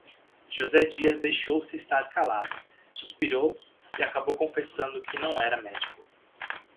José Dias deixou-se estar calado, suspirou e acabou confessando que não era médico.